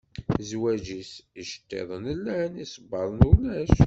Zwaǧ-is iceṭṭiḍen llan, isebbaḍen ulac.